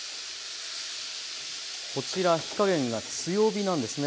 こちら火加減が強火なんですね。